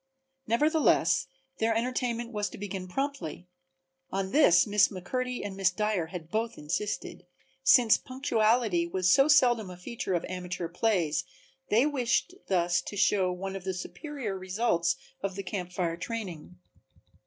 Nevertheless their entertainment was to begin promptly (on this Miss McMurtry and Miss Dyer had both insisted), since punctuality was so seldom a feature of amateur plays they wished thus to show one of the superior results of the Camp Fire training.